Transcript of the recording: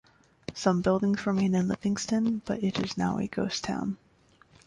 Some buildings remain in Livingston, but it is now a ghost town.